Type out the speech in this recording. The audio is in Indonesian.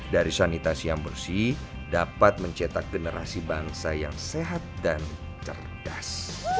dari sanitasi yang bersih dapat mencetak generasi bangsa yang sehat dan cerdas